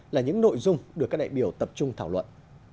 là những nội dung được các đại biểu tập trung thảo luận